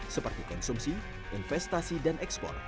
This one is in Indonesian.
seperti konsumsi investasi dan ekspor